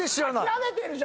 諦めてるじゃん！